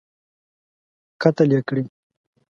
قتل یې کړی.